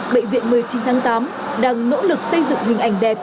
bệnh viện một mươi chín tháng tám đang nỗ lực xây dựng hình ảnh đẹp